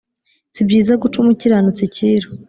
Si byiza guca umukiranutsi icyiru